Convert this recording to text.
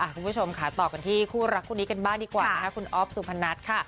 คุณผู้ชมค่ะต่อกันที่คู่รักคู่นี้กันบ้างดีกว่านะคะคุณอ๊อฟสุพนัทค่ะ